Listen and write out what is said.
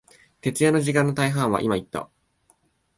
徹夜の時間の大半は、今言った、